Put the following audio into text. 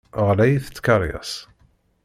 Ɣlayit tkeṛyas.